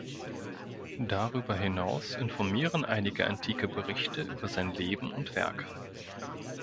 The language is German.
Darüber hinaus informieren einige antike Berichte über sein Leben und Werk.